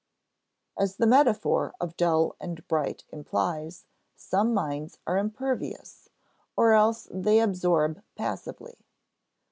As the metaphor of dull and bright implies, some minds are impervious, or else they absorb passively.